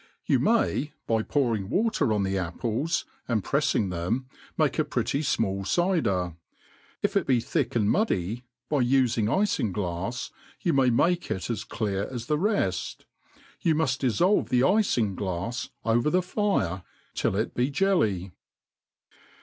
You may^ by pouring water on the apples, and preffing them, mal^e ^ pretty fmall cyder; M it be thick and muddy, by ufingifinglafs you may n'lake it as clear as the red; you muft diflblve the ifihglafs over the ^^^% till it be jelly.